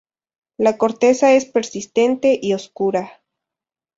La corteza es persistente y oscura.